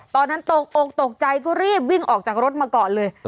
ตอนนั้นตกอกตกใจก็รีบวิ่งออกจากรถมาก่อนเลย